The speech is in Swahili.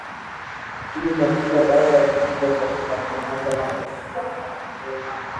sitini na sita baada ya kushindwa Selemani alihamia Chama cha demokrasia na maendeleo na